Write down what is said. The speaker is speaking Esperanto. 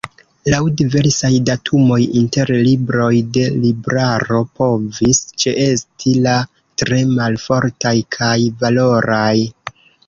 Laŭ diversaj datumoj, inter libroj de Libraro povis ĉeesti la tre maloftaj kaj valoraj.